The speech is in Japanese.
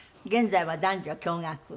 現在は男女共学。